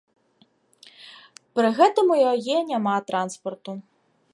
Пры гэтым у яе няма транспарту.